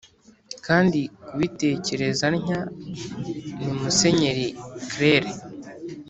kandi kubitekereza ntya ni musenyeri cleire,